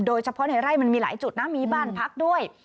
โดยเฉพาะในไร่มันมีหลายจุดนะมีบ้านพักด้วย